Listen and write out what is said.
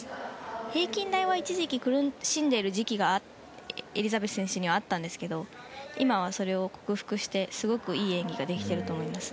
平均台は一時期、苦しんでいる時期がエリザベス選手にはあったんですけど今は、それを克服してすごくいい演技ができています。